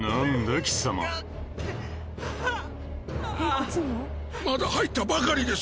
貴様まだ入ったばかりです！